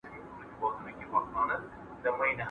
¬ د شپې هر سړى بېرېږي، څوک حال وايي، څوک ئې نه وايي.